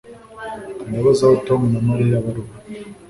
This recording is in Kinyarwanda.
Ndabaza aho Tom na Mariya bari ubu